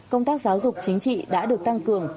công tác giáo dục chính trị đã được tăng cường